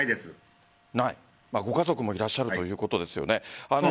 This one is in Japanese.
ご家族もいらっしゃるということですよね。